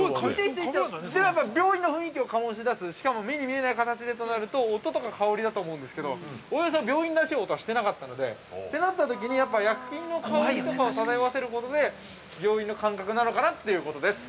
◆病院の雰囲気をかもしだすしかも目に見えない形でとなると音とか香りだと思うんですけど病院らしい音はしてなかったのでてなったときに、やっぱり薬品の香りとかを漂わせることで病院の感覚なのかなということです。